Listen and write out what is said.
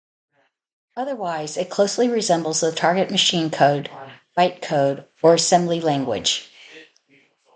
Otherwise, it closely resembles the target machine code, bytecode, or assembly language.